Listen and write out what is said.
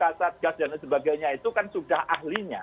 kasat gas dan sebagainya itu kan sudah ahlinya